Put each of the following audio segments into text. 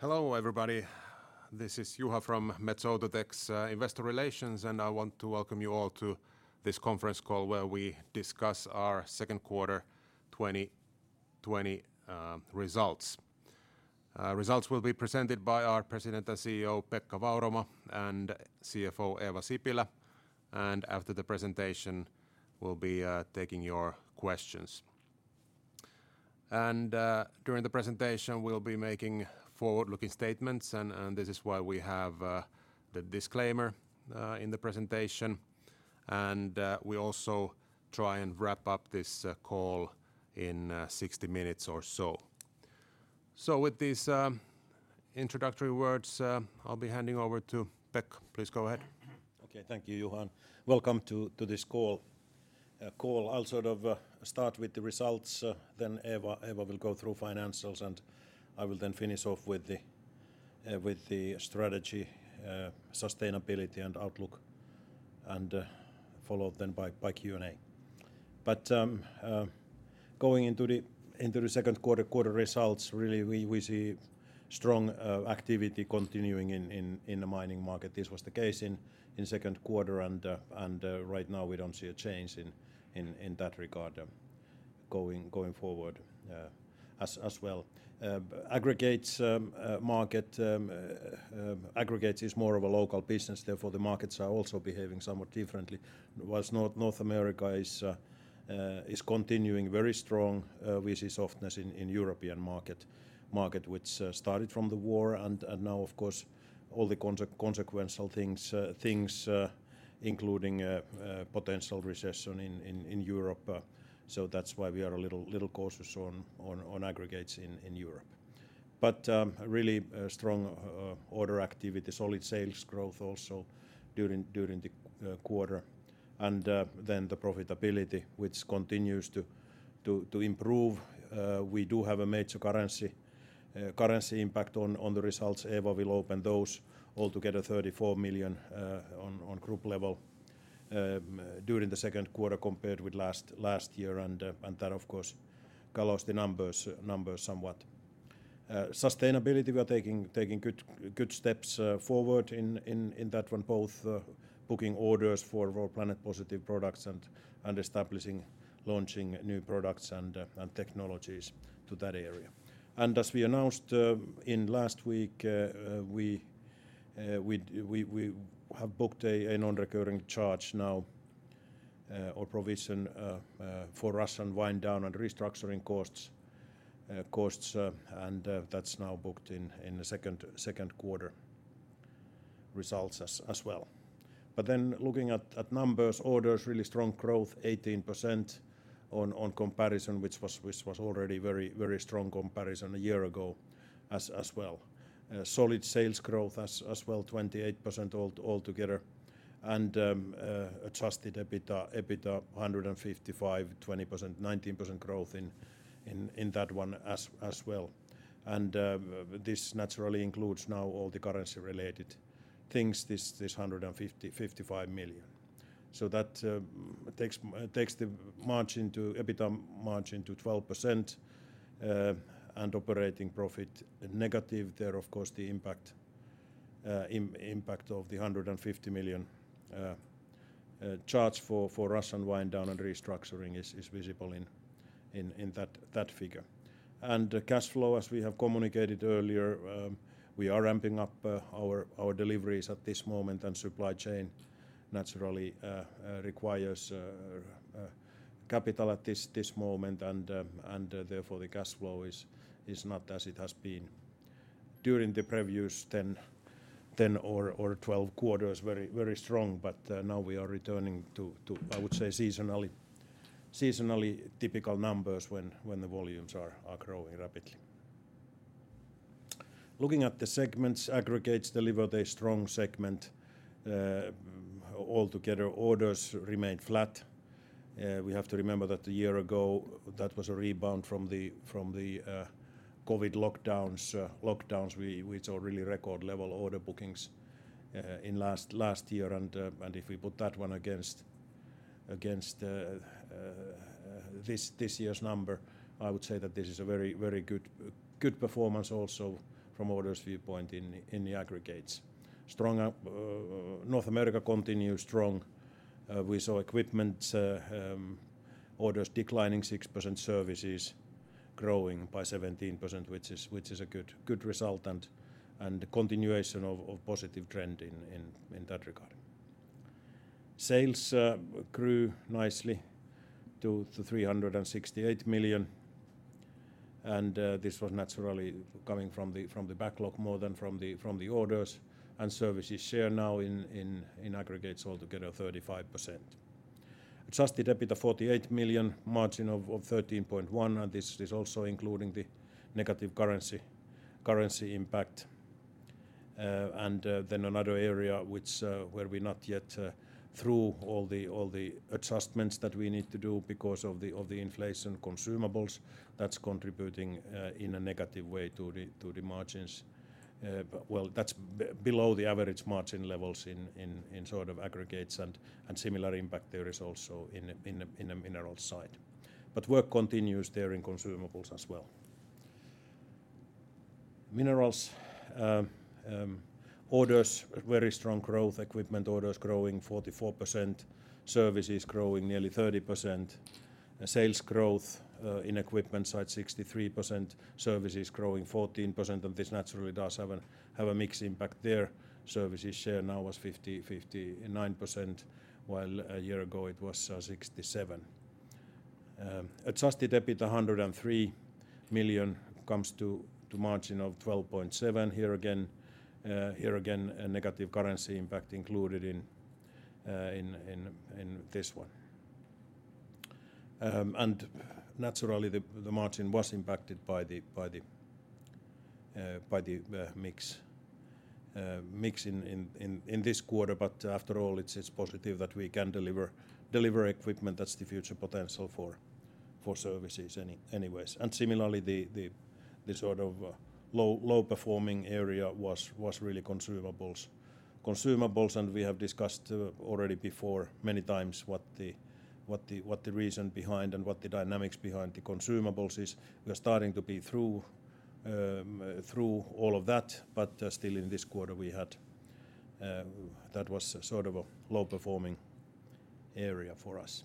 Hello, everybody. This is Juha from Metso Outotec's investor relations, and I want to welcome you all to this conference call where we discuss our second quarter 2020 results. Results will be presented by our President and CEO, Pekka Vauramo, and CFO, Eeva Sipilä. After the presentation, we'll be taking your questions. During the presentation, we'll be making forward-looking statements, and this is why we have the disclaimer in the presentation. We also try and wrap up this call in 60 minutes or so. With these introductory words, I'll be handing over to Pek. Please go ahead. Okay. Thank you, Juha. Welcome to this call. I'll sort of start with the results, then Eeva will go through financials, and I will then finish off with the strategy, sustainability and outlook, followed by Q&A. Going into the second quarter results, really we see strong activity continuing in the mining market. This was the case in second quarter and right now we don't see a change in that regard, going forward as well. Aggregates market, aggregates is more of a local business therefore the markets are also behaving somewhat differently. While North America is continuing very strong, we see softness in European market which started from the war and now of course all the consequential things including potential recession in Europe. That's why we are a little cautious on aggregates in Europe. Really strong order activity, solid sales growth also during the quarter and then the profitability which continues to improve. We do have a major currency impact on the results. Eeva will open those all together 34 million on group level during the second quarter compared with last year and that of course colors the numbers somewhat. Sustainability we are taking good steps forward in that one both booking orders for our Planet Positive products and establishing launching new products and technologies to that area. As we announced in last week, we have booked a non-recurring charge now, or provision, for Russian wind down and restructuring costs, and that's now booked in the second quarter results as well. Looking at numbers, orders really strong growth 18% on comparison which was already very strong comparison a year ago as well. Solid sales growth as well, 28% altogether and Adjusted EBITDA 155 million, 20%, 19% growth in that one as well. This naturally includes now all the currency related things, this 155 million. That takes the margin to EBITDA margin to 12%, and operating profit negative there, of course the impact of the 150 million charge for Russian wind down and restructuring is visible in that figure. Cash flow as we have communicated earlier, we are ramping up our deliveries at this moment and supply chain naturally requires capital at this moment and therefore the cash flow is not as it has been during the previous 10 or 12 quarters very strong but now we are returning to I would say seasonally typical numbers when the volumes are growing rapidly. Looking at the segments, aggregates delivered a strong segment. Altogether orders remained flat. We have to remember that a year ago that was a rebound from the COVID lockdowns we saw really record level order bookings in last year and if we put that one against this year's number I would say that this is a very good performance also from orders viewpoint in the aggregates. Strong North America continued strong. We saw equipment orders declining 6% services growing by 17% which is a good result and continuation of positive trend in that regard. Sales grew nicely to 368 million and this was naturally coming from the backlog more than from the orders and services share now in aggregates altogether 35%. Adjusted EBITDA 48 million, margin of 13.1% and this is also including the negative currency impact. Then another area which where we're not yet through all the adjustments that we need to do because of the inflation consumables that's contributing in a negative way to the margins. Well that's below the average margin levels in sort of aggregates and similar impact there is also in the minerals side. Work continues there in consumables as well. Minerals, orders very strong growth, equipment orders growing 44%, services growing nearly 30%. Sales growth in equipment side 63%, services growing 14%, and this naturally does have a mixed impact there. Services share now was 59%, while a year ago it was 67%. Adjusted EBITDA 103 million comes to a margin of 12.7%. Here again, a negative currency impact included in this one. And naturally the margin was impacted by the mix in this quarter. After all, it's positive that we can deliver equipment. That's the future potential for services anyways. Similarly, the sort of low-performing area was really consumables. We have discussed already before many times what the reason behind and what the dynamics behind the consumables is. We're starting to get through all of that, still in this quarter we had that was sort of a low-performing area for us.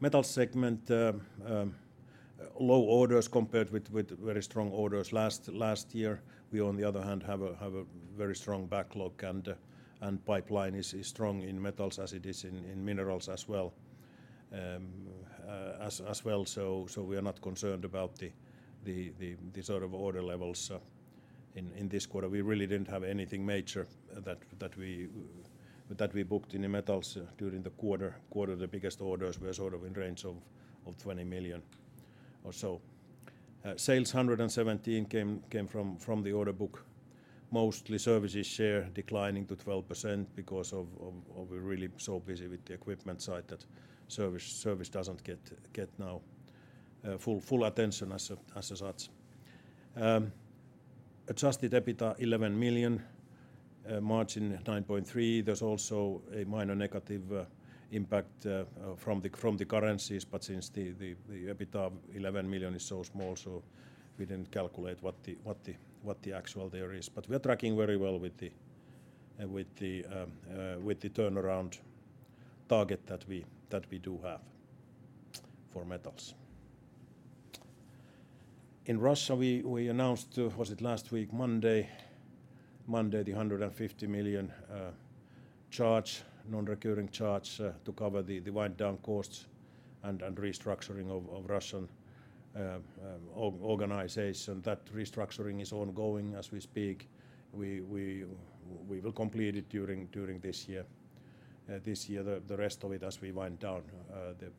Metals segment low orders compared with very strong orders last year. We on the other hand have a very strong backlog and pipeline is strong in metals as it is in minerals as well. We are not concerned about the sort of order levels in this quarter. We really didn't have anything major that we booked any metals during the quarter. The biggest orders were sort of in range of twenty million or so. Sales 117 came from the order book. Mostly services share declining to 12% because of we're really so busy with the equipment side that service doesn't get now full attention as such. Adjusted EBITDA 11 million, margin 9.3%. There's also a minor negative impact from the currencies. But since the EBITDA 11 million is so small, we didn't calculate what the actual there is. But we are tracking very well with the turnaround target that we do have for metals. In Russia we announced last week, Monday, the 150 million non-recurring charge to cover the wind-down costs and restructuring of Russian organization. That restructuring is ongoing as we speak. We will complete it during this year, the rest of it as we wind down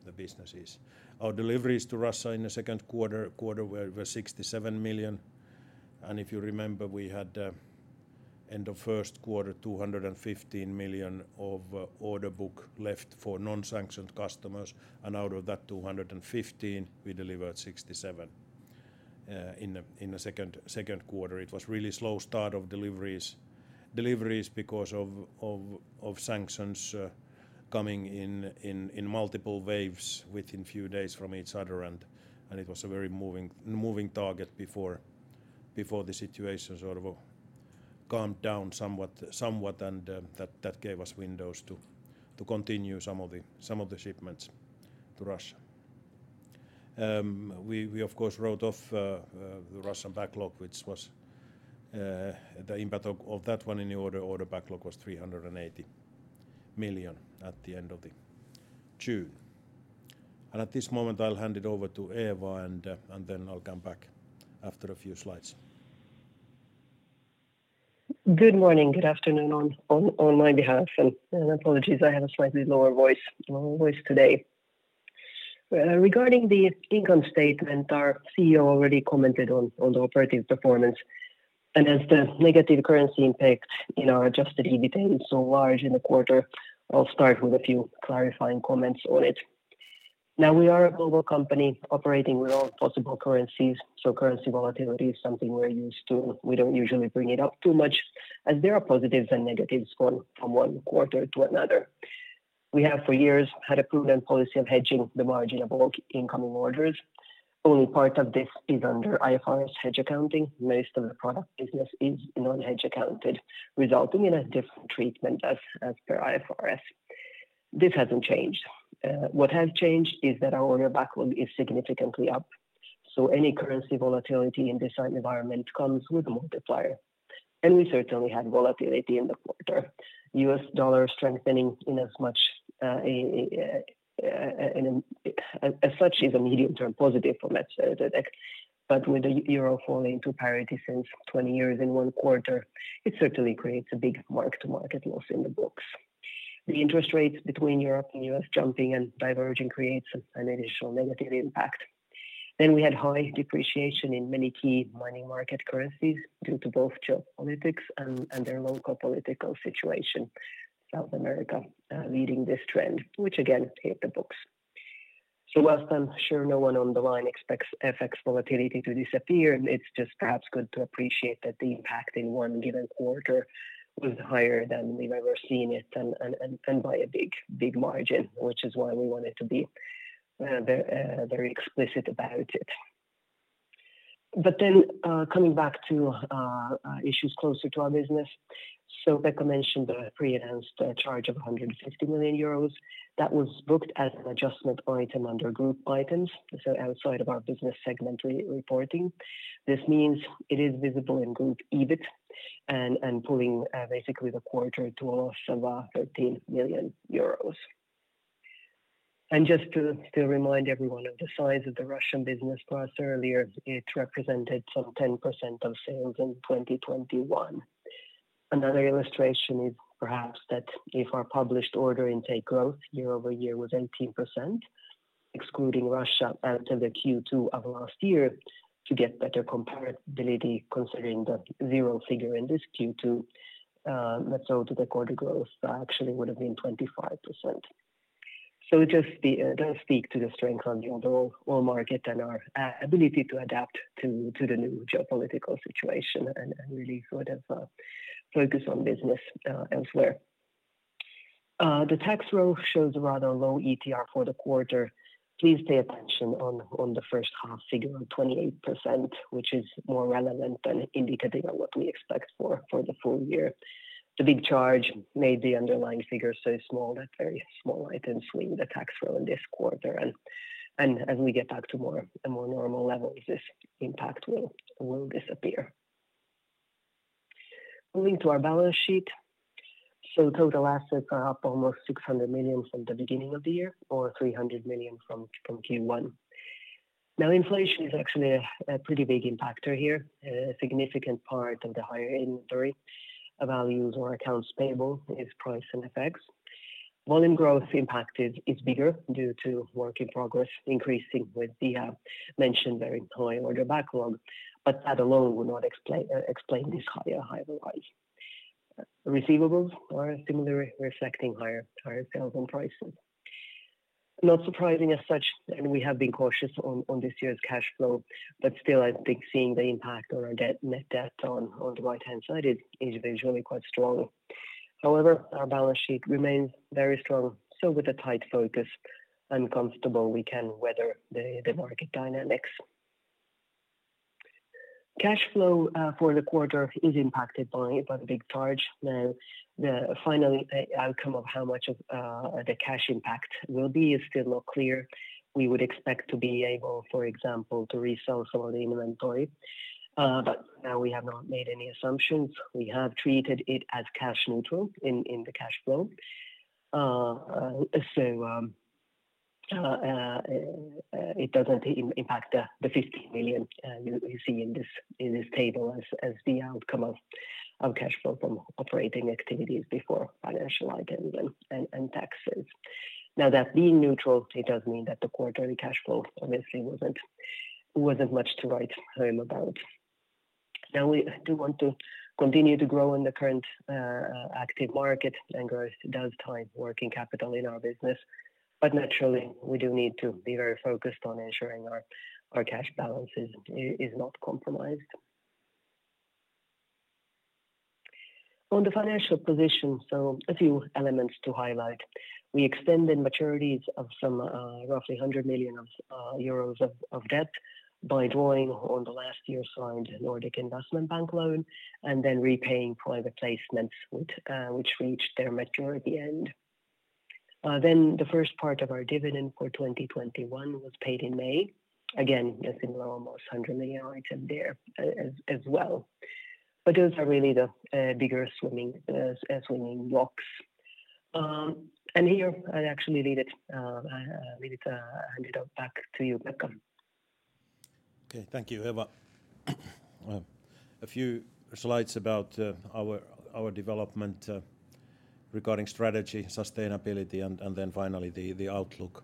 the businesses. Our deliveries to Russia in the second quarter were 67 million. If you remember, we had end of first quarter 215 million of order book left for non-sanctioned customers. Out of that 215, we delivered 67 in the second quarter. It was a really slow start of deliveries because of sanctions coming in multiple waves within few days from each other. It was a very moving target before the situation sort of calmed down somewhat, and that gave us windows to continue some of the shipments to Russia. We of course wrote off the Russian backlog, which was the impact of that one in the order backlog was 380 million at the end of June. At this moment I'll hand it over to Eeva and then I'll come back after a few slides. Good morning, good afternoon on my behalf, and apologies, I have a slightly lower voice today. Regarding the income statement, our CEO already commented on the operative performance. As the negative currency impact in our Adjusted EBITA is so large in the quarter, I'll start with a few clarifying comments on it. Now, we are a global company operating with all possible currencies, so currency volatility is something we're used to. We don't usually bring it up too much as there are positives and negatives going from one quarter to another. We have for years had a proven policy of hedging the margin of all incoming orders. Only part of this is under IFRS hedge accounting. Most of the product business is non-hedge accounted, resulting in a different treatment as per IFRS. This hasn't changed. What has changed is that our order backlog is significantly up, so any currency volatility in this current environment comes with a multiplier. We certainly had volatility in the quarter. U.S. dollar strengthening in as much as such is a medium-term positive for Metso Outotec, but with the euro falling to parity since 20 years in one quarter, it certainly creates a big mark-to-market loss in the books. The interest rates between Europe and U.S. jumping and diverging creates an additional negative impact. We had high depreciation in many key mining market currencies due to both geopolitics and their local political situation. South America leading this trend, which again hit the books. While I'm sure no one on the line expects FX volatility to disappear, it's just perhaps good to appreciate that the impact in one given quarter was higher than we've ever seen it and by a big margin, which is why we wanted to be very explicit about it. Coming back to issues closer to our business. Pekka mentioned the pre-announced charge of 150 million euros that was booked as an adjustment item under group items, so outside of our business segment re-reporting. This means it is visible in group EBIT and pulling basically the quarter to a loss of 13 million euros. Just to remind everyone of the size of the Russian business for us earlier, it represented some 10% of sales in 2021. Another illustration is perhaps that if our published order intake growth year-over-year was 18%, excluding Russia out of the Q2 of last year to get better comparability considering the zero figure in this Q2, so the quarter growth actually would have been 25%. It just does speak to the strength on the overall market and our ability to adapt to the new geopolitical situation and really sort of focus on business elsewhere. The tax rate shows a rather low ETR for the quarter. Please pay attention to the first half figure of 28%, which is more relevant and indicative of what we expect for the full year. The big charge made the underlying figures so small that very small items swing the tax rate in this quarter. As we get back to a more normal levels, this impact will disappear. Moving to our balance sheet. Total assets are up almost 600 million from the beginning of the year or 300 million from Q1. Now, inflation is actually a pretty big impactor here. A significant part of the higher inventory values or accounts payable is pricing effects. Volume growth impact is bigger due to work in progress increasing with the mentioned very high order backlog, but that alone would not explain this higher rise. Receivables are similarly reflecting higher sales and prices. Not surprising as such, and we have been cautious on this year's cash flow, but still I think seeing the impact on our net debt on the right-hand side is visually quite strong. However, our balance sheet remains very strong, so with a tight focus and comfortable we can weather the market dynamics. Cash flow for the quarter is impacted by the big charge. Now, the final outcome of how much of the cash impact will be is still not clear. We would expect to be able, for example, to resell some of the inventory, but now we have not made any assumptions. We have treated it as cash neutral in the cash flow. So, it doesn't impact the 50 million you see in this table as the outcome of cash flow from operating activities before financial items and taxes. Now that being neutral, it does mean that the quarterly cash flow obviously wasn't much to write home about. Now, we do want to continue to grow in the current, active market, and growth does tie working capital in our business. Naturally, we do need to be very focused on ensuring our cash balance is not compromised. On the financial position, a few elements to highlight. We extended maturities of some, roughly 100 million euros of debt by drawing on last year's signed Nordic Investment Bank loan and then repaying private placements which reached their maturity end. The first part of our dividend for 2021 was paid in May. Again, a similar almost 100 million item there as well. Those are really the bigger building blocks. Here I'd actually leave it, hand it back to you, Pekka. Okay. Thank you, Eeva. A few slides about our development regarding strategy, sustainability, and then finally the outlook.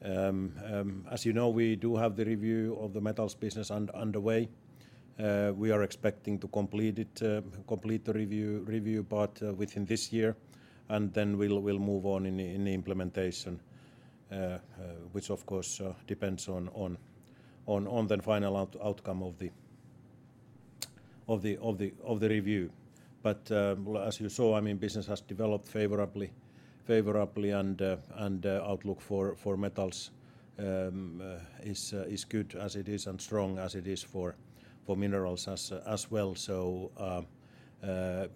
As you know, we do have the review of the metals business underway. We are expecting to complete the review part within this year, and then we'll move on in the implementation, which of course depends on the final outcome of the review. As you saw, I mean, business has developed favorably and outlook for metals is good as it is and strong as it is for minerals as well.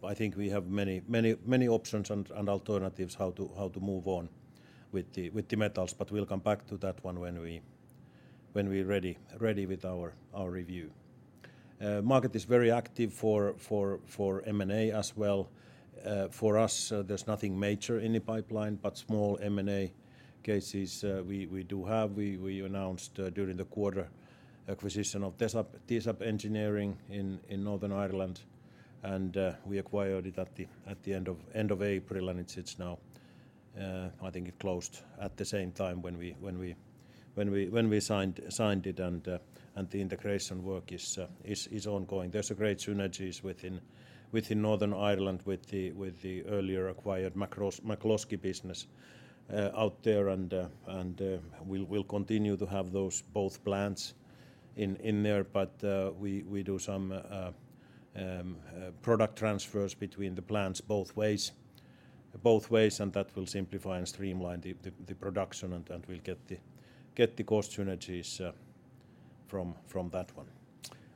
I think we have many options and alternatives how to move on with the metals, but we'll come back to that one when we ready with our review. Market is very active for M&A as well. For us, there's nothing major in the pipeline, but small M&A cases, we do have. We announced during the quarter acquisition of Tesab Engineering in Northern Ireland, and we acquired it at the end of April, and it's now, I think it closed at the same time when we signed it and the integration work is ongoing. There's a great synergies within Northern Ireland with the earlier acquired McCloskey business out there and we'll continue to have those both plants in there. We do some product transfers between the plants both ways, and that will simplify and streamline the production and we'll get the cost synergies from that one.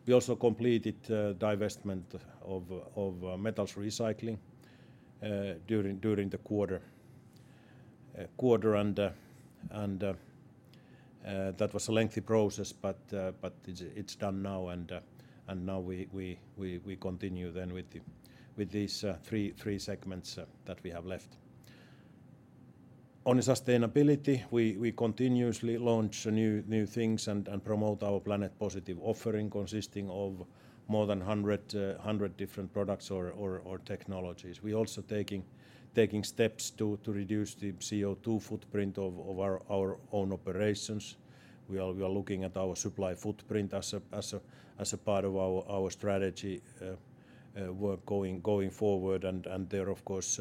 We also completed divestment of metals recycling during the quarter and that was a lengthy process but it's done now and now we continue with these three segments that we have left. On sustainability, we continuously launch new things and promote our Planet Positive offering consisting of more than 100 different products or technologies. We also taking steps to reduce the CO2 footprint of our own operations. We are looking at our supply footprint as a part of our strategy work going forward and there are of course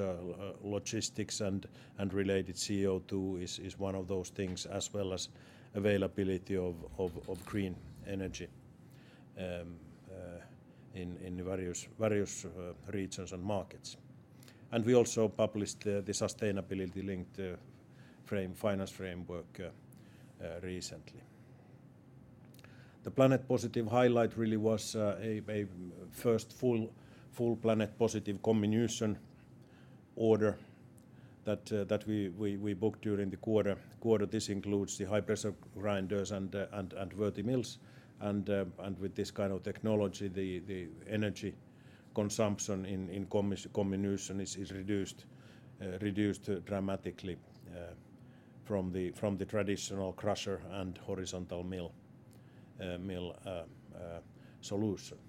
logistics and related CO2 is one of those things as well as availability of green energy in various regions and markets. We also published the sustainability-linked finance framework recently. The Planet Positive highlight really was a first full Planet Positive comminution order that we booked during the quarter. This includes the high-pressure grinders and Vertimills and with this kind of technology the energy consumption in comminution is reduced dramatically from the traditional crusher and horizontal mill solution. We are also working actively to launch new products, new solutions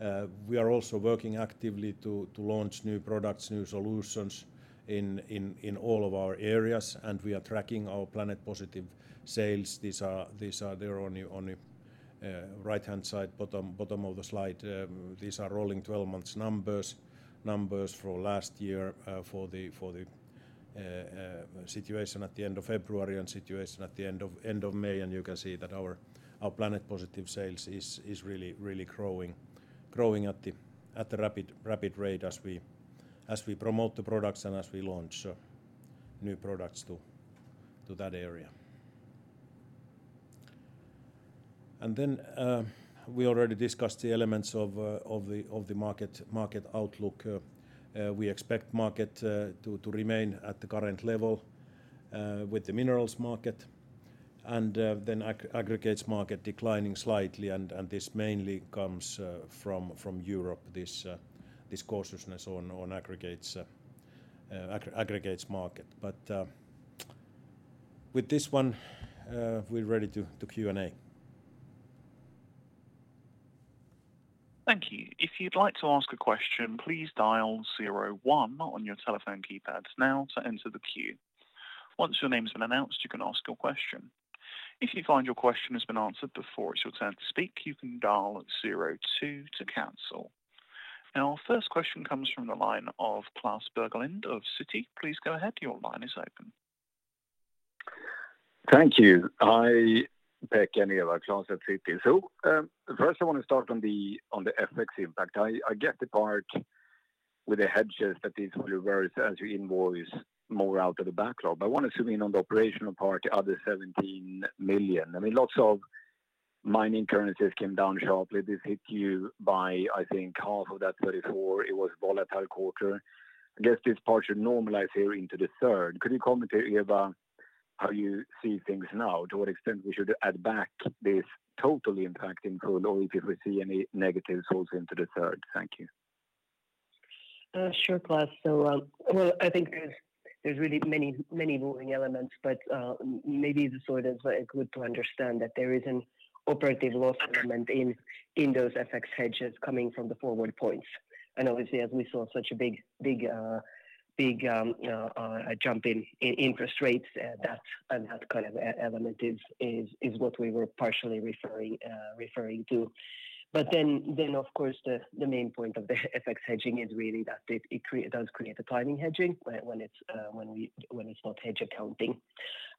in all of our areas and we are tracking our Planet Positive sales. They're on the right-hand side bottom of the slide. These are rolling 12 months numbers for last year for the situation at the end of February and situation at the end of May. You can see that our Planet Positive sales is really growing at a rapid rate as we promote the products and as we launch new products to that area. We already discussed the elements of the market outlook. We expect market to remain at the current level with the minerals market and then aggregates market declining slightly and this mainly comes from Europe, this cautiousness on aggregates market. With this one, we're ready to Q&A. Thank you. If you'd like to ask a question, please dial zero one on your telephone keypads now to enter the queue. Once your name has been announced, you can ask your question. If you find your question has been answered before it's your turn to speak, you can dial zero two to cancel. Now our first question comes from the line of Klas Bergelind of Citi. Please go ahead. Your line is open. Thank you. Hi, Pekka Vauramo and Eeva Sipilä, Klas Bergelind at Citi. First, I want to start on the FX impact. I get the part with the hedges that this will reverse as you invoice more out of the backlog. I want to zoom in on the operational part, the other 17 million. I mean, lots of mining currencies came down sharply. This hit you by, I think, half of that 34 million. It was a volatile quarter. I guess this part should normalize here into the third. Could you comment here about how you see things now? To what extent we should add back this total impact in Q2 or if we see any negatives also into the third? Thank you. Sure, Klas. I think there are really many moving elements, but maybe it's good to understand that there is an operative loss element in those FX hedges coming from the forward points. Obviously, as we saw such a big jump in interest rates, that and that kind of element is what we were partially referring to. Of course the main point of the FX hedging is really that it does create a timing hedging when it's not hedge accounting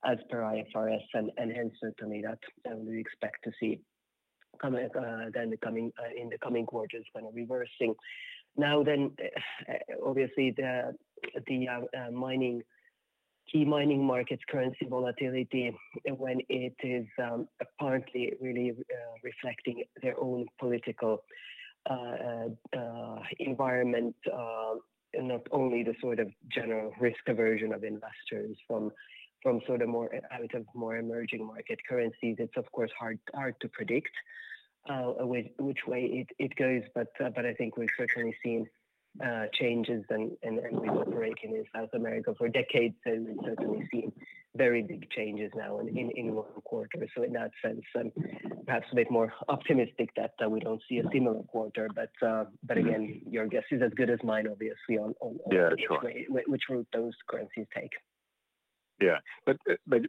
as per IFRS and hence certainly we expect to see in the coming quarters when we're reversing. Obviously the key mining markets currency volatility, when it is apparently really reflecting their own political environment and not only the sort of general risk aversion of investors from sort of more emerging market currencies, it's of course hard to predict which way it goes. But I think we've certainly seen changes and we've been operating in South America for decades, and we've certainly seen very big changes now in one quarter. In that sense, I'm perhaps a bit more optimistic that we don't see a similar quarter. But again, your guess is as good as mine, obviously on Yeah, sure. which route those currencies take. Yeah.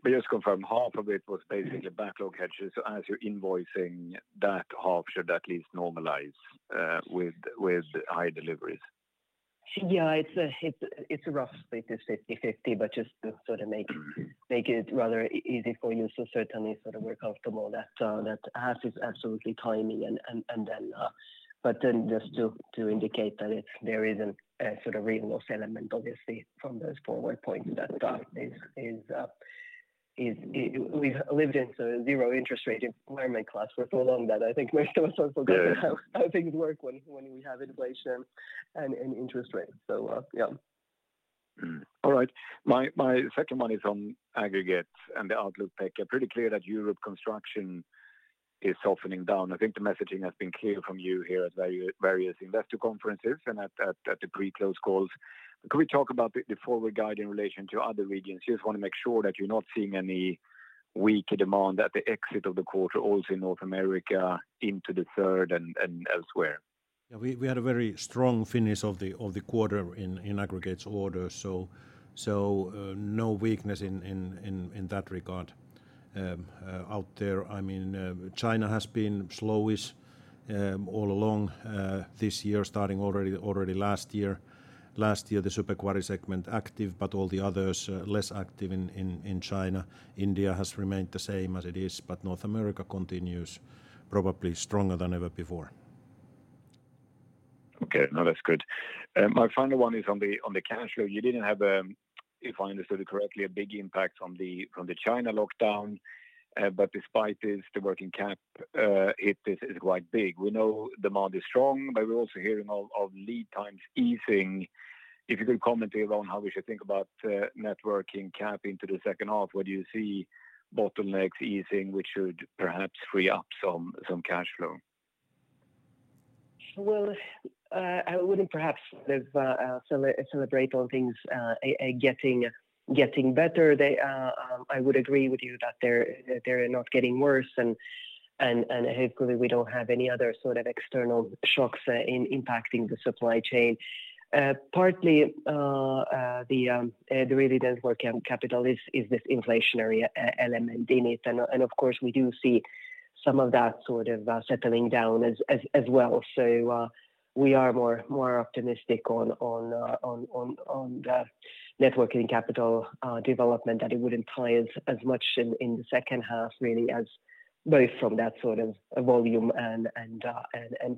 Just confirm, half of it was basically backlog hedges, so as you're invoicing that half should at least normalize with high deliveries. Yeah. It's roughly 50/50, but just to sort of make it rather easy for you. Certainly sort of we're comfortable that half is absolutely timing and then just to indicate that there is a sort of real loss element obviously from those forward points that is we've lived in sort of zero interest rate environment, Klas, for so long that I think most of us have forgotten how things work when we have inflation and interest rates. Yeah. All right. My second one is on aggregates and the outlook pick. Pretty clear that Europe construction is softening down. I think the messaging has been clear from you here at various investor conferences and at the pre-close calls. Could we talk about the forward guide in relation to other regions? Just wanna make sure that you're not seeing any weaker demand at the exit of the quarter, also in North America into the third and elsewhere. Yeah. We had a very strong finish of the quarter in aggregates orders. No weakness in that regard. Out there, I mean, China has been slowish all along this year starting already last year. Last year, the super quarry segment active, but all the others less active in China. India has remained the same as it is, but North America continues probably stronger than ever before. Okay. No, that's good. My final one is on the cash flow. You didn't have, if I understood it correctly, a big impact from the China lockdown. Despite this, the working cap, it is quite big. We know demand is strong, but we're also hearing of lead times easing. If you could comment here on how we should think about net working cap into the second half. What do you see bottlenecks easing, which should perhaps free up some cash flow? Well, I wouldn't perhaps live to celebrate things getting better. I would agree with you that they're not getting worse, and hopefully we don't have any other sort of external shocks impacting the supply chain. Partly, the net working capital is this inflationary element in it. Of course, we do see some of that sort of settling down as well. We are more optimistic on the net working capital development, that it wouldn't play as much in the second half really as both from that sort of volume and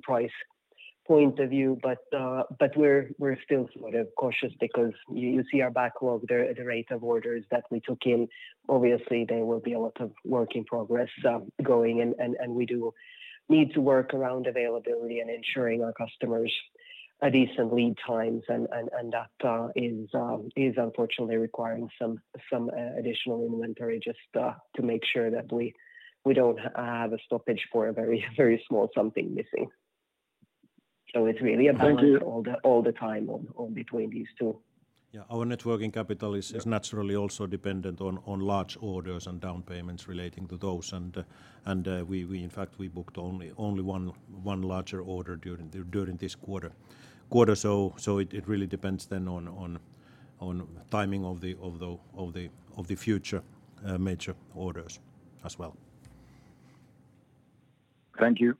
price point of view. We're still sort of cautious because you see our backlog there at the rate of orders that we took in. Obviously, there will be a lot of work in progress going and we do need to work around availability and ensuring our customers a decent lead times. That is unfortunately requiring some additional inventory just to make sure that we don't have a stoppage for a very small something missing. It's really a balance. Thank you. all the time on between these two. Yeah. Our working capital is naturally also dependent on large orders and down payments relating to those. We in fact booked only one larger order during this quarter. It really depends then on timing of the future major orders as well. Thank you.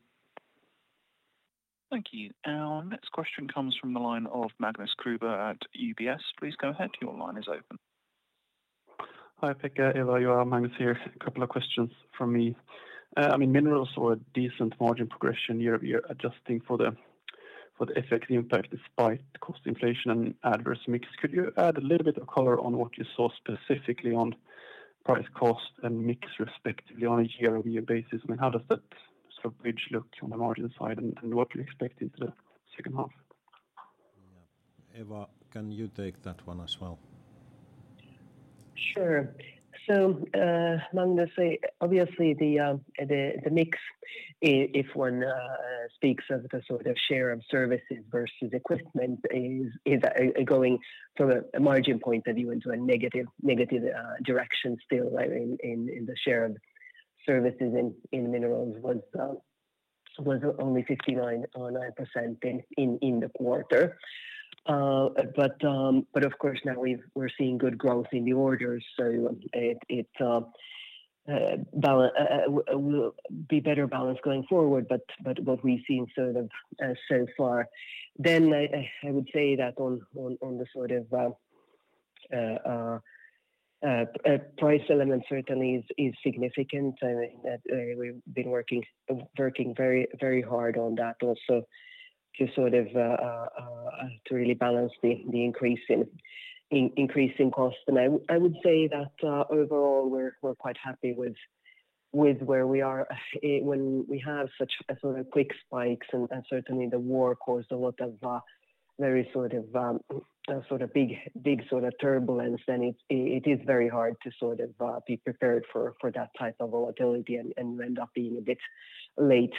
Thank you. Our next question comes from the line of Magnus Kruber at UBS. Please go ahead. Your line is open. Hi, Pekka, Eva, Juha. Magnus here. A couple of questions from me. I mean, minerals saw a decent margin progression year-over-year, adjusting for the FX impact despite cost inflation and adverse mix. Could you add a little bit of color on what you saw specifically on price, cost, and mix respectively on a year-over-year basis? I mean, how does that sort of bridge look on the margin side and what you expect into the second half? Yeah. Eeva, can you take that one as well? Sure. Magnus, obviously the mix if one speaks of the sort of share of services versus equipment is going from a margin point of view into a negative direction still, in the share of services in minerals was only 59.9% in the quarter. Of course, now we're seeing good growth in the orders, so it will be better balanced going forward. What we've seen sort of so far. I would say that on the sort of price element certainly is significant. That we've been working very hard on that also to sort of to really balance the increase in costs. I would say that overall, we're quite happy with where we are. When we have such a sort of quick spikes and certainly the war caused a lot of very sort of big sort of turbulence, then it is very hard to sort of be prepared for that type of volatility and you end up being a bit late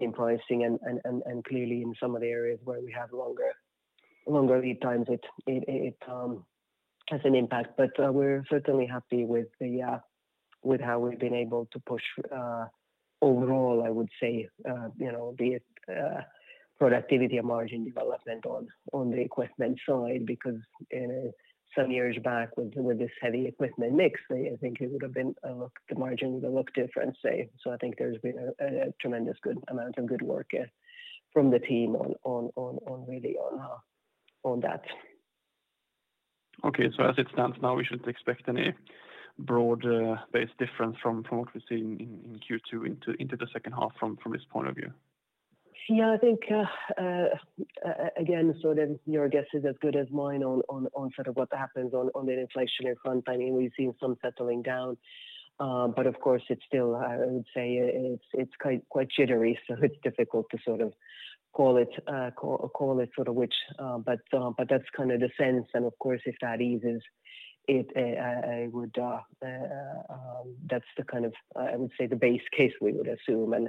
in pricing and clearly in some of the areas where we have longer lead times, it has an impact. We're certainly happy with how we've been able to push overall, I would say, you know, be it productivity or margin development on the equipment side, because some years back with this heavy equipment mix, I think the margin would have looked different, say. I think there's been a tremendous good amount of good work from the team really on that. As it stands now, we shouldn't expect any broad base difference from what we're seeing in Q2 into the second half from this point of view? Yeah, I think again, sort of your guess is as good as mine on sort of what happens on the inflationary front. I mean, we've seen some settling down, but of course it's still, I would say it's quite jittery, so it's difficult to sort of call it. That's kind of the sense and of course if that eases it, I would say that's the kind of base case we would assume. As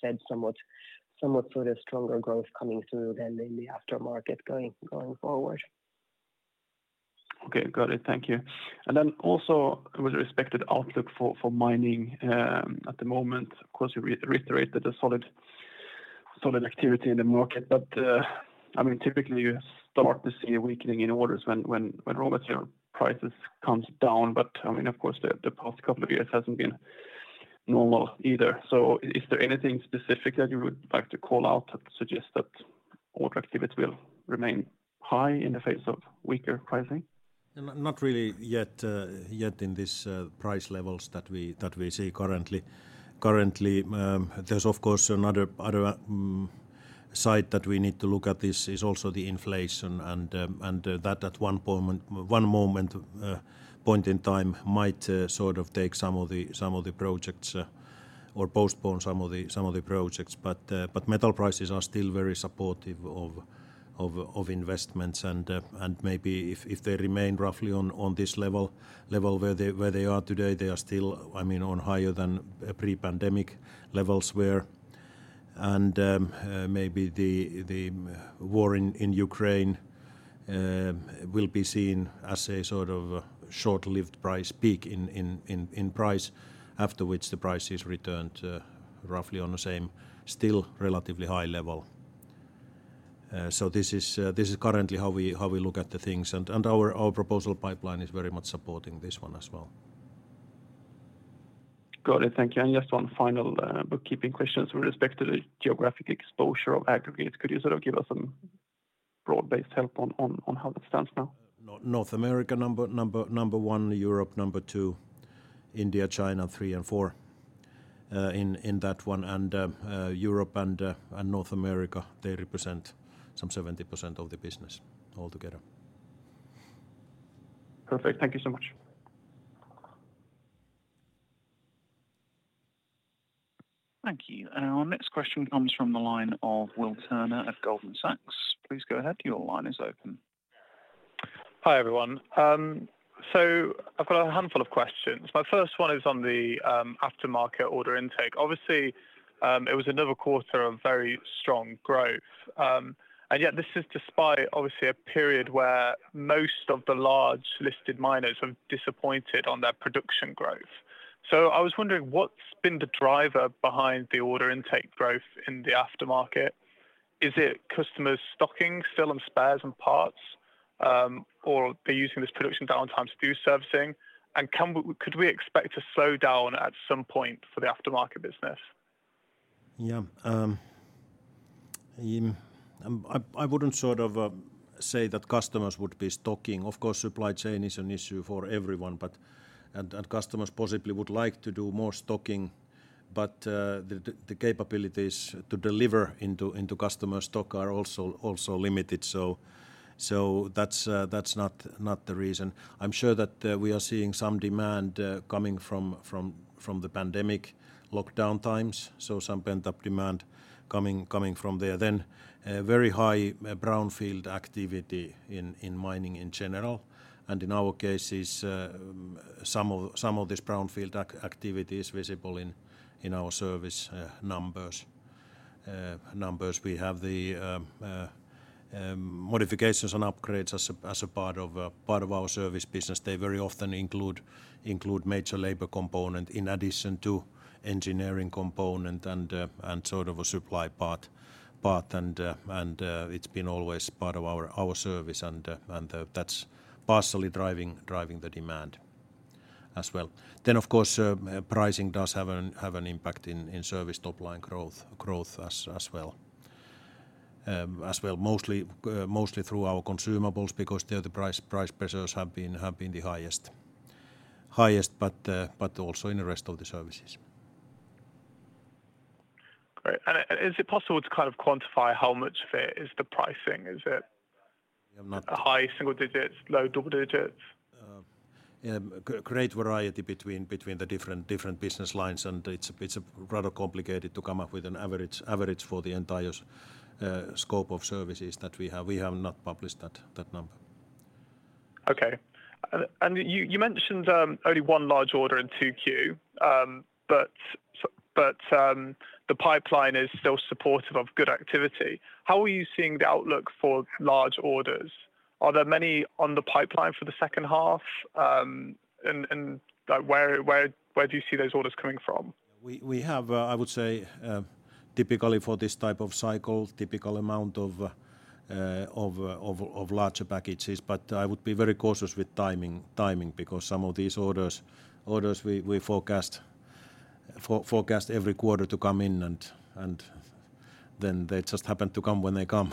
said, somewhat sort of stronger growth coming through then in the aftermarket going forward. Okay. Got it. Thank you. Then also with respect to outlook for mining, at the moment, of course you reiterated a solid activity in the market, but I mean typically you start to see a weakening in orders when raw material prices comes down. I mean, of course the past couple of years hasn't been normal either. Is there anything specific that you would like to call out that suggests that order activity will remain high in the face of weaker pricing? No, not really yet in this price levels that we see currently. Currently, there's of course another side that we need to look at. This is also the inflation and that at one point in time might sort of take some of the projects or postpone some of the projects. Metal prices are still very supportive of investments and maybe if they remain roughly on this level where they are today, they are still, I mean, higher than pre-pandemic levels were. Maybe the war in Ukraine will be seen as a sort of short-lived price peak in price, after which the price is returned roughly on the same, still relatively high level. This is currently how we look at the things and our proposal pipeline is very much supporting this one as well. Got it. Thank you. Just one final bookkeeping question with respect to the geographic exposure of aggregates. Could you sort of give us some broad-based help on how that stands now? North America number 1, Europe number 2, India, China, 3 and 4, in that one. Europe and North America, they represent some 70% of the business altogether. Perfect. Thank you so much. Thank you. Our next question comes from the line of Will Turner at Goldman Sachs. Please go ahead. Your line is open. Hi everyone. I've got a handful of questions. My first one is on the aftermarket order intake. Obviously, it was another quarter of very strong growth. Yet this is despite obviously a period where most of the large listed miners have disappointed on their production growth. I was wondering what's been the driver behind the order intake growth in the aftermarket? Is it customers stocking still on spares and parts, or are they using this production downtime to do servicing? Could we expect a slow down at some point for the aftermarket business? Yeah. I wouldn't sort of say that customers would be stocking. Of course, supply chain is an issue for everyone, but customers possibly would like to do more stocking, but the capabilities to deliver into customer stock are also limited. That's not the reason. I'm sure that we are seeing some demand coming from the pandemic lockdown times, so some pent-up demand coming from there. Very high brownfield activity in mining in general. In our cases, some of this brownfield activity is visible in our service numbers. We have the modifications and upgrades as a part of our service business. They very often include major labor component in addition to engineering component and sort of a supply part and it's been always part of our service and that's partially driving the demand as well. Of course, pricing does have an impact in service top line growth as well. Mostly through our consumables because their price pressures have been the highest, but also in the rest of the services. Great. Is it possible to kind of quantify how much of it is the pricing? Is it- Yeah. High single digits, low double digits? Yeah, great variety between the different business lines, and it's rather complicated to come up with an average for the entire scope of services that we have. We have not published that number. Okay. You mentioned only one large order in 2Q, but the pipeline is still supportive of good activity. How are you seeing the outlook for large orders? Are there many on the pipeline for the second half? Like where do you see those orders coming from? We have, I would say, typically for this type of cycle, typical amount of larger packages, but I would be very cautious with timing because some of these orders we forecast every quarter to come in and. They just happen to come when they come.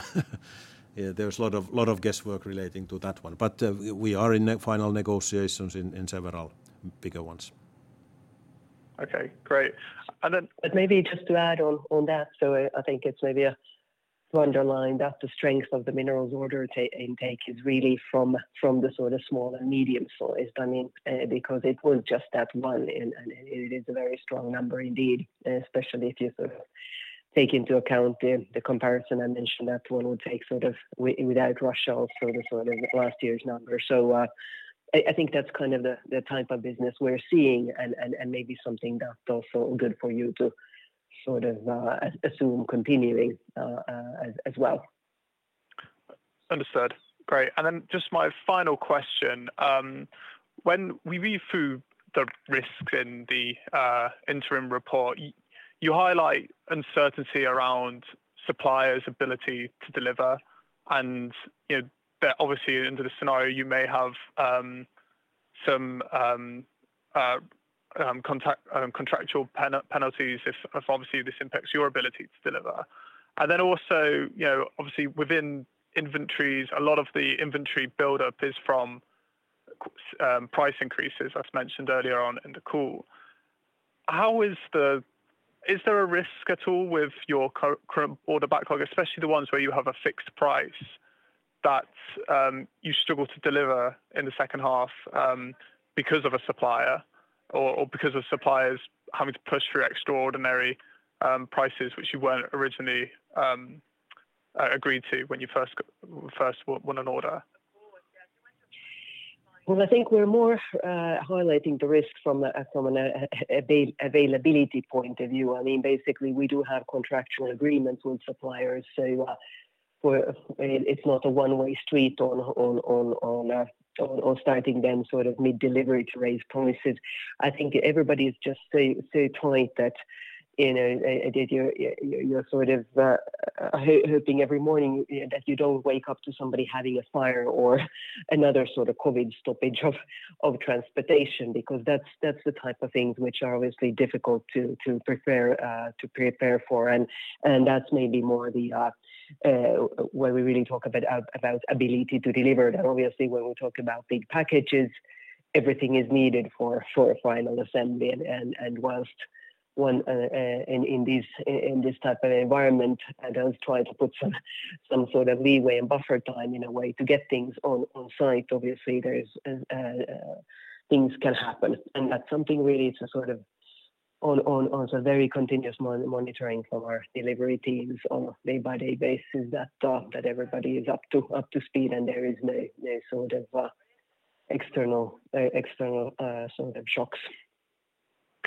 Yeah, there's a lot of guesswork relating to that one. We are in final negotiations in several bigger ones. Okay, great. Maybe just to add on that. I think it's maybe to underline that the strength of the minerals order intake is really from the sort of small and medium size. I mean, because it was just that one and it is a very strong number indeed, especially if you sort of take into account the comparison I mentioned that one would take sort of without Russia also the sort of last year's number. I think that's kind of the type of business we're seeing and maybe something that's also good for you to sort of assume continuing, as well. Understood. Great. Just my final question. When we read through the risks in the interim report, you highlight uncertainty around suppliers' ability to deliver, and, you know, that obviously under the scenario you may have, some contractual penalties if obviously this impacts your ability to deliver. You know, obviously within inventories, a lot of the inventory buildup is from price increases, as mentioned earlier on in the call. Is there a risk at all with your order backlog, especially the ones where you have a fixed price that you struggle to deliver in the second half, because of a supplier or because of suppliers having to push through extraordinary prices which you weren't originally agreed to when you first won an order? Well, I think we're more highlighting the risks from an availability point of view. I mean, basically, we do have contractual agreements with suppliers. I mean, it's not a one-way street on starting them sort of mid-delivery to raise prices. I think everybody is just so tight that, you know, that you're sort of hoping every morning that you don't wake up to somebody having a fire or another sort of COVID stoppage of transportation, because that's the type of things which are obviously difficult to prepare for. That's maybe more where we really talk about ability to deliver. Obviously, when we talk about big packages, everything is needed for final assembly. While, in this type of environment, one does try to put some sort of leeway and buffer time in a way to get things on site, obviously there is. Things can happen. That's something really to sort of, on a very continuous monitoring from our delivery teams on a day-by-day basis that everybody is up to speed and there is no sort of external sort of shocks.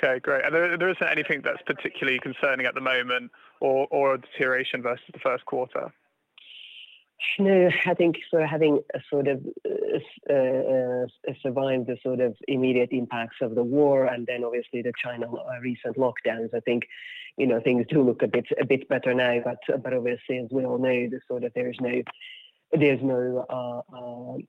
Okay, great. There isn't anything that's particularly concerning at the moment or a deterioration versus the first quarter? No, I think we've sort of survived the sort of immediate impacts of the war and then obviously China's recent lockdowns. I think, you know, things do look a bit better now, but obviously, as we all know, there's no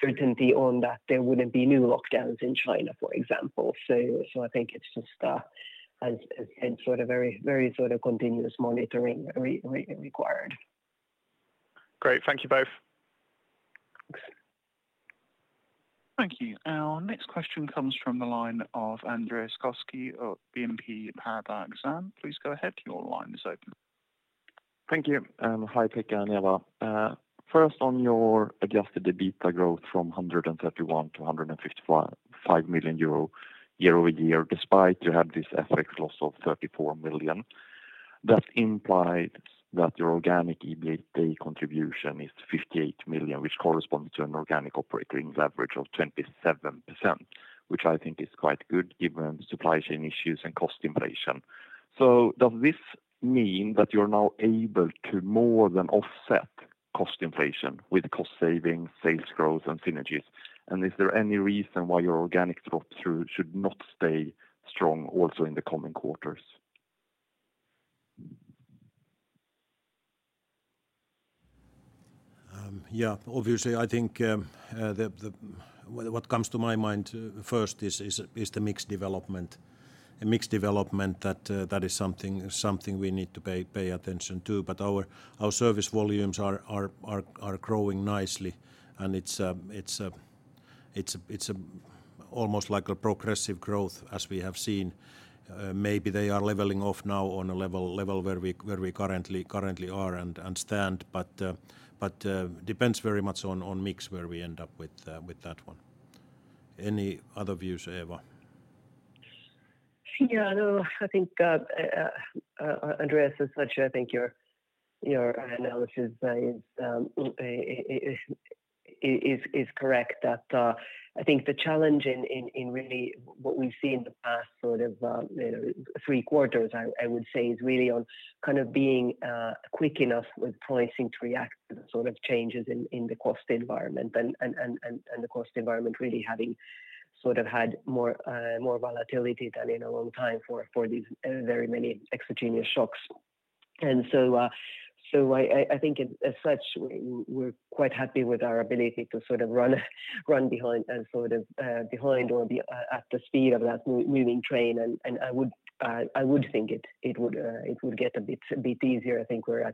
certainty that there wouldn't be new lockdowns in China, for example. I think it's just a sort of very continuous monitoring required. Great. Thank you both. Thanks. Thank you. Our next question comes from the line of Andreas Koski of BNP Paribas Exane. Please go ahead, your line is open. Thank you. Hi, Pekka and Eva. First on your Adjusted EBITDA growth from 131 million euro to 155 million euro year-over-year, despite you have this FX loss of 34 million, that implies that your organic EBITA contribution is 58 million, which corresponds to an organic operating leverage of 27%, which I think is quite good given supply chain issues and cost inflation. Does this mean that you're now able to more than offset cost inflation with cost savings, sales growth, and synergies? And is there any reason why your organic drop-through should not stay strong also in the coming quarters? Obviously, I think, the what comes to my mind first is the mix development. A mix development that is something we need to pay attention to. Our service volumes are growing nicely, and it's almost like a progressive growth as we have seen. Maybe they are leveling off now on a level where we currently are and stand. Depends very much on mix where we end up with that one. Any other views, Eeva? Yeah. No, I think, Andreas Koski, as such, I think your analysis is correct that I think the challenge in really what we've seen in the past sort of, you know, three quarters, I would say, is really on kind of being quick enough with pricing to react to the sort of changes in the cost environment and the cost environment really having sort of had more volatility than in a long time for these very many exogenous shocks. I think as such, we're quite happy with our ability to sort of run behind and sort of behind or be at the speed of that moving train. I would think it would get a bit easier. I think we're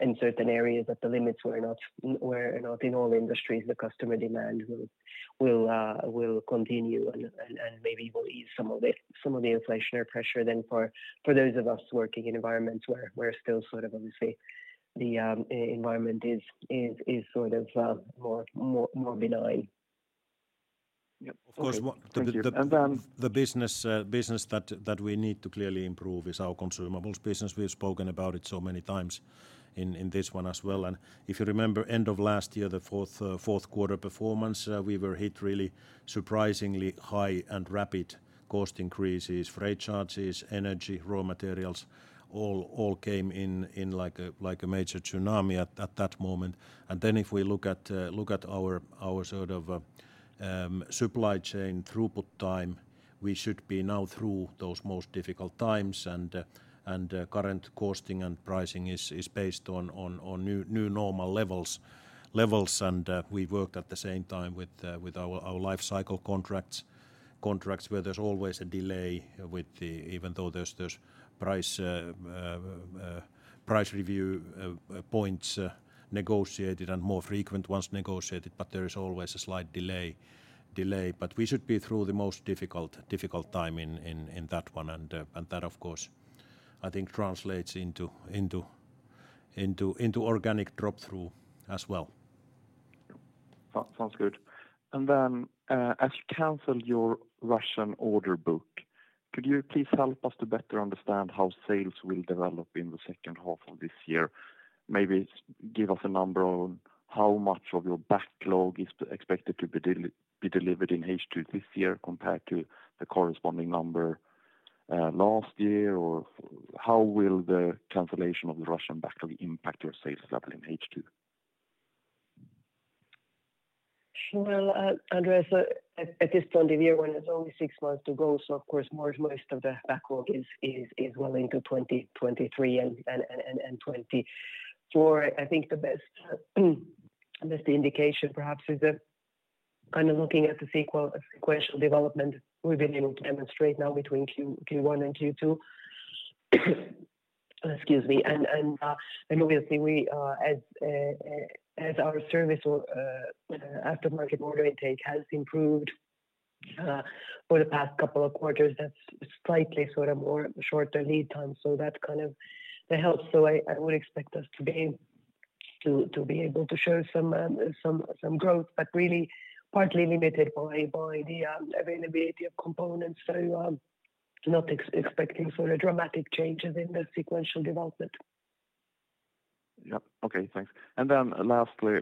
in certain areas at the limits where, not in all industries, the customer demand will continue and maybe will ease some of the inflationary pressure then for those of us working in environments where we're still sort of obviously the environment is sort of more benign. Yeah. Okay. Thank you. Of course, the business that we need to clearly improve is our consumables business. We've spoken about it so many times in this one as well. If you remember end of last year, the fourth quarter performance, we were hit by really surprisingly high and rapid cost increases, freight charges, energy, raw materials, all came in like a major tsunami at that moment. Then if we look at our sort of supply chain throughput time, we should be now through those most difficult times. Current costing and pricing is based on new normal levels. We worked at the same time with our life cycle contracts where there's always a delay with the. Even though there's price review points negotiated and more frequent ones negotiated, but there is always a slight delay. We should be through the most difficult time in that one. That of course, I think translates into organic drop-through as well. Sounds good. As you canceled your Russian order book, could you please help us to better understand how sales will develop in the second half of this year? Maybe give us a number on how much of your backlog is expected to be delivered in H2 this year compared to the corresponding number last year, or how will the cancellation of the Russian backlog impact your sales level in H2? Well, Andreas, at this point in the year when there's only six months to go, of course, most of the backlog is well into 2023 and 2024. I think the best indication perhaps is by looking at the sequential development we've been able to demonstrate now between Q1 and Q2. Excuse me. Obviously, as our service and aftermarket order intake has improved for the past couple of quarters, that's slightly shorter lead time. That kind of helps. I would expect us to be able to show some growth, but really partly limited by the availability of components. Not expecting sort of dramatic changes in the sequential development. Yeah. Okay. Thanks. Lastly,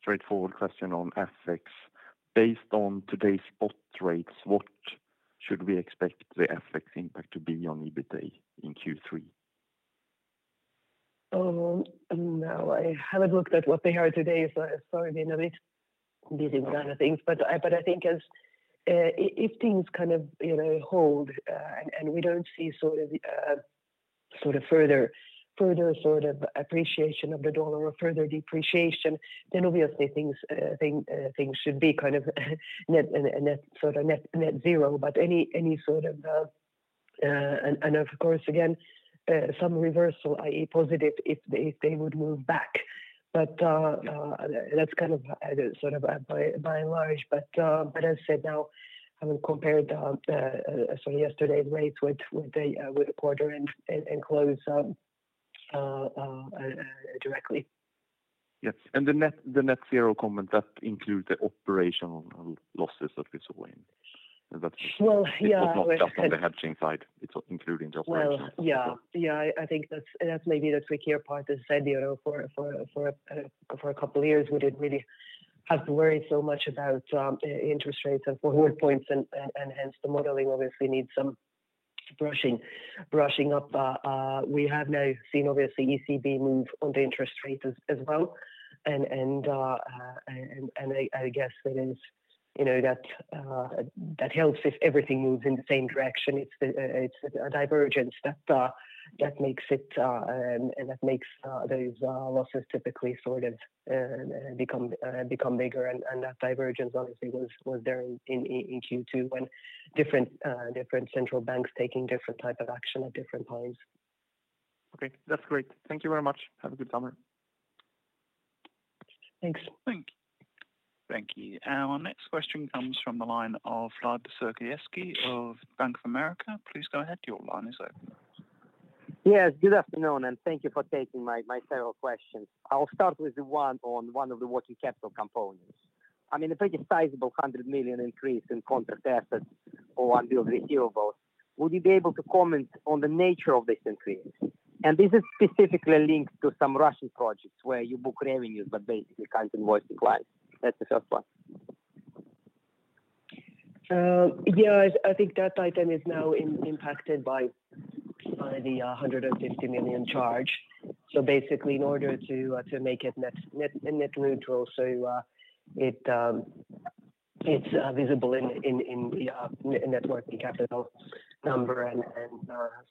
straightforward question on FX. Based on today's spot rates, what should we expect the FX impact to be on EBITA in Q3? Now I haven't looked at what they are today, so sorry, I've been a bit busy with other things. I think as if things kind of, you know, hold and we don't see sort of further appreciation of the dollar or further depreciation, then obviously things should be kind of net zero. Any sort of. Of course, again, some reversal i.e. positive if they would move back. That's kind of sort of by and large. As said, now I will compare the sort of yesterday's rates with the quarter and close directly. Yes. The net zero comment, that includes the operational losses that we saw in. Well, yeah. It was not just on the hedging side, it's including just operational. Well, yeah. Yeah. I think that's maybe the trickier part. As I said, you know, for a couple of years, we didn't really have to worry so much about interest rates and forward points and hence the modeling obviously needs some brushing up. We have now seen obviously ECB move on the interest rates as well. I guess that is, you know, that helps if everything moves in the same direction. It's a divergence that makes it, and that makes those losses typically sort of become bigger. That divergence obviously was there in Q2 when different central banks taking different type of action at different times. Okay. That's great. Thank you very much. Have a good summer. Thanks. Thank you. Thank you. Our next question comes from the line of Vladimir Sergievskiy of Bank of America. Please go ahead. Your line is open. Yes. Good afternoon, and thank you for taking my several questions. I'll start with the one on one of the working capital components. I mean, a pretty sizable 100 million increase in contract assets or unbilled receivables. Would you be able to comment on the nature of this increase? Is it specifically linked to some Russian projects where you book revenues, but basically can't invoice the clients? That's the first one. I think that item is now impacted by the 150 million charge. Basically in order to make it net neutral, it's visible in the net working capital number and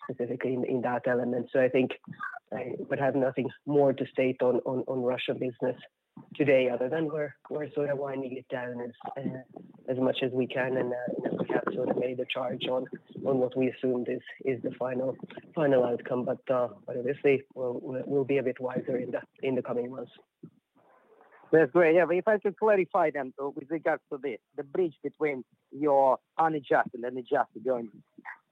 specifically in that element. I think I would have nothing more to state on Russian business today other than we're sort of winding it down as much as we can. Net working capital has made the charge on what we assume is the final outcome. Obviously we'll be a bit wiser in the coming months. That's great. Yeah. If I could clarify then though with regards to the bridge between your unadjusted and adjusted earnings.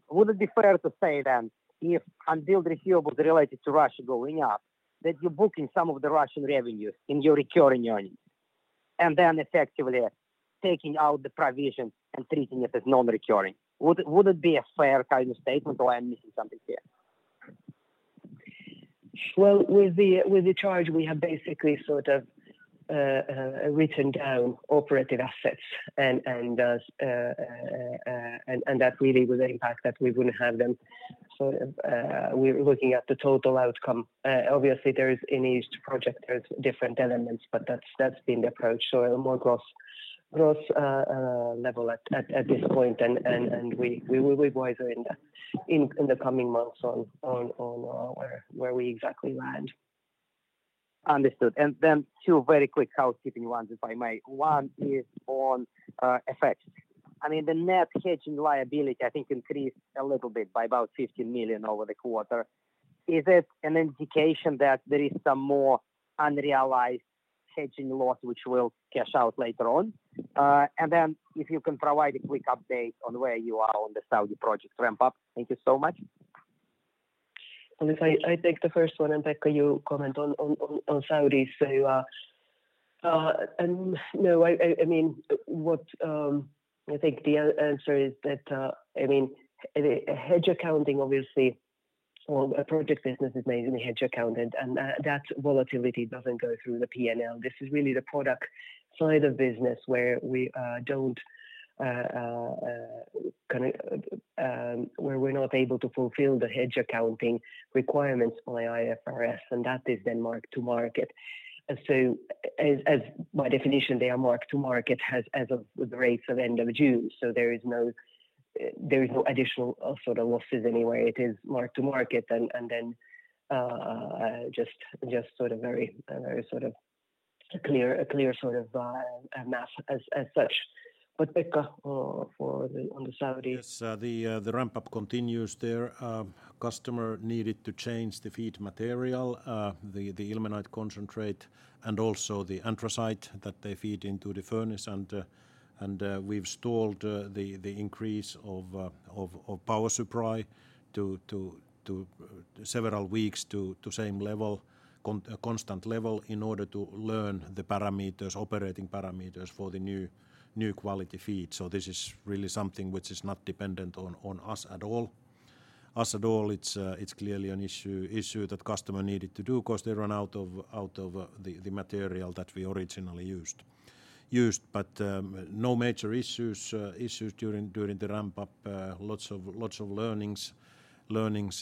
Would it be fair to say then if unbilled receivables related to Russia going up, that you're booking some of the Russian revenues in your recurring earnings, and then effectively taking out the provision and treating it as non-recurring? Would it be a fair kind of statement or am I missing something here? Well, with the charge, we have basically sort of written down operating assets and that really was the impact that we wouldn't have them sort of. We are looking at the total outcome. Obviously there is in each project there's different elements, but that's been the approach. A more gross level at this point. We will be wiser in the coming months on where we exactly land. Understood. Two very quick housekeeping ones if I may. One is on FX. I mean the net hedging liability I think increased a little bit by about 50 million over the quarter. Is it an indication that there is some more unrealized hedging loss, which we'll cash out later on? If you can provide a quick update on where you are on the Saudi project ramp up. Thank you so much. If I take the first one and, Pekka, you comment on Saudi. I mean, I think the answer is that, I mean, the hedge accounting obviously or a project business is mainly hedge accounted, and that volatility doesn't go through the P&L. This is really the product side of business where we're not able to fulfill the hedge accounting requirements by IFRS, and that is then marked to market. As by definition, they are mark to market as of the rates at end of June. There is no additional sort of losses anywhere. It is mark-to-market and then just sort of a very sort of clear sort of math as such. Pekka for the on the Saudis. Yes. The ramp up continues there. Customer needed to change the feed material, the ilmenite concentrate and also the anthracite that they feed into the furnace. We've stalled the increase of power supply to the same constant level for several weeks in order to learn the parameters, operating parameters for the new quality feed. This is really something which is not dependent on us at all. It's clearly an issue that customer needed to do 'cause they run out of the material that we originally used. No major issues during the ramp up. Lots of learnings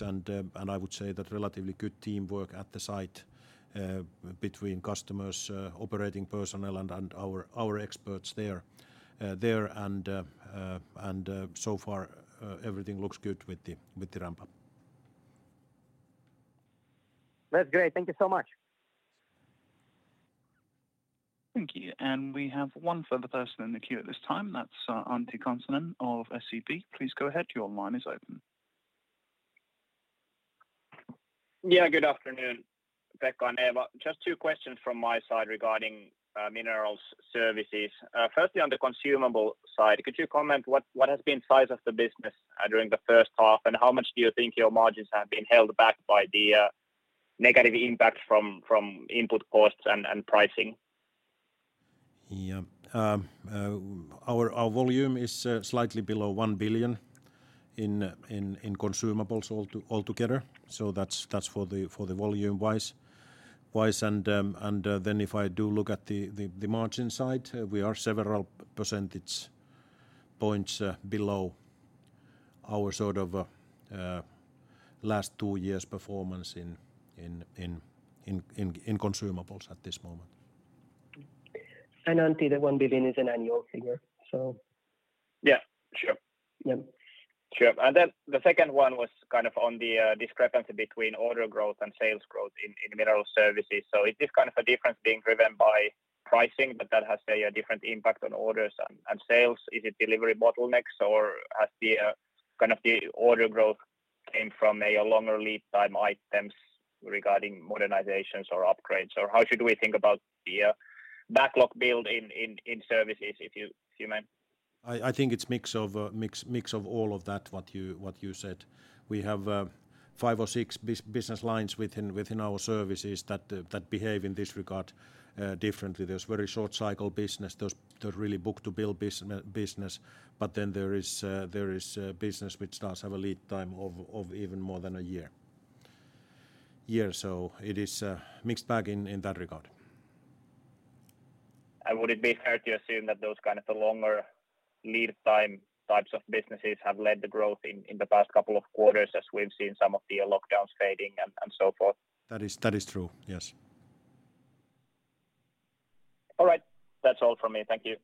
and I would say that relatively good teamwork at the site between customers, operating personnel and our experts there. So far, everything looks good with the ramp up. That's great. Thank you so much. Thank you. We have one further person in the queue at this time, that's, Antti Kansanen of SEB. Please go ahead, your line is open. Yeah, good afternoon, Pekka and Eeva. Just two questions from my side regarding minerals services. Firstly, on the consumable side, could you comment what has been size of the business during the first half, and how much do you think your margins have been held back by the negative impact from input costs and pricing? Yeah. Our volume is slightly below EUR 1 billion in consumables all together. That's for the volume wise. Then if I do look at the margin side, we are several percentage points below our sort of last two years' performance in consumables at this moment. Antti, the 1 billion is an annual figure, so. Yeah, sure. Yeah. Sure. The second one was kind of on the discrepancy between order growth and sales growth in mineral services. Is this kind of a difference being driven by pricing, but that has a different impact on orders and sales? Is it delivery bottlenecks or has the kind of the order growth came from longer lead time items regarding modernizations or upgrades? How should we think about the backlog build in services if you may? I think it's mix of all of that, what you said. We have five or six business lines within our services that behave in this regard differently. There's very short cycle business. Those really book-to-bill business. There is business which does have a lead time of even more than a year. It is mixed bag in that regard. Would it be fair to assume that those kind of the longer lead time types of businesses have led the growth in the past couple of quarters as we've seen some of the lockdowns fading and so forth? That is true, yes. All right. That's all from me. Thank you.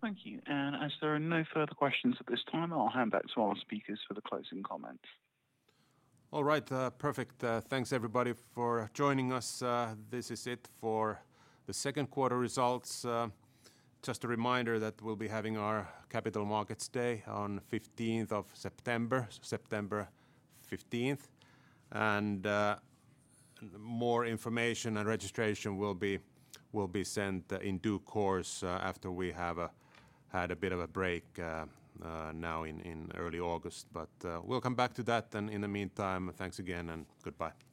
Thank you. As there are no further questions at this time, I'll hand back to our speakers for the closing comments. All right. Perfect. Thanks everybody for joining us. This is it for the second quarter results. Just a reminder that we'll be having our capital markets day on fifteenth of September fifteenth. More information and registration will be sent in due course, after we have had a bit of a break now in early August. We'll come back to that. In the meantime, thanks again, and goodbye.